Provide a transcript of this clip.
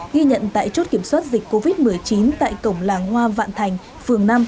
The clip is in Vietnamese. ghi nhận tại chốt kiểm soát dịch covid một mươi chín tại cổng làng hoa vạn thành phường năm